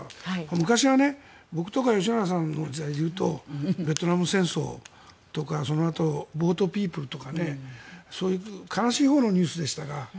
昔は僕とか吉永さんの時代でいうとベトナム戦争とかそのあと、ボートピープルとかそういう悲しいほうのニュースでしたが。